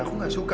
aku mau masuk